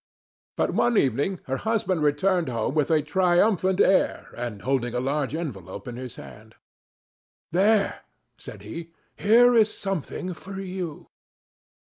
But, one evening, her husband returned home with a triumphant air, and holding a large envelope in his hand. "There," said he, "here is something for you."